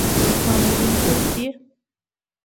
مامورین څوک دي؟